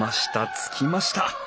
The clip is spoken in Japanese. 着きました。